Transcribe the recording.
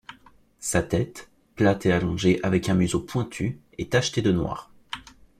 Sa tête, plate et allongée avec un museau pointu, est tachetée de noir.